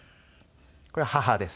これ母ですね。